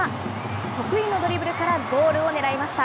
得意のドリブルからゴールを狙いました。